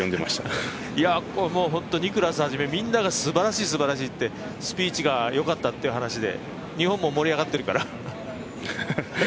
ニクラスはじめ、みんながすばらしい、すばらしいってスピーチがよかったっていう話で、日本も盛り上がっているから。